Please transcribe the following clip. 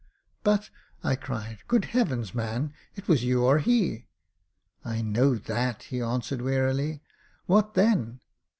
"But," I cried, "good heavens! man — ^it was you or he." "I know that," he answered, wearily. "What then?